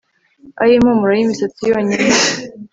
Aho impumuro yimisatsi yonyine